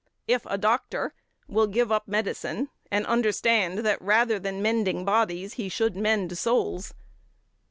if a doctor, will give up medicine, and understand that rather than mending bodies, he should mend souls; 7.